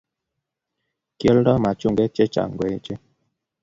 Kioldoi machungwek chechang ngoeche